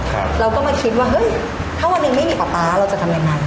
เราก็มาคิดว่าเฮ้ยถ้าวันหนึ่งไม่มีป๊าป๊าเราจะทำยังไง